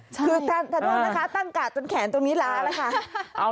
คือถนนนะคะตั้งกาดจนแขนตรงนี้ล้าแล้วค่ะ